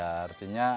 tidak terlalu percaya